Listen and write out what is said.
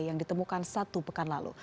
yang ditemukan satu pekan lalu